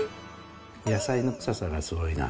野菜の臭さがすごいな。